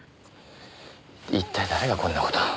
一体誰がこんな事。